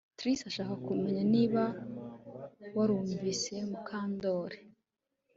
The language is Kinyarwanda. Trix arashaka kumenya niba warumvise Mukandoli